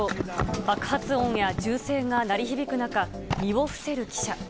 爆発音や銃声が鳴り響く中身を伏せる記者。